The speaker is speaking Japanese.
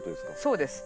そうです。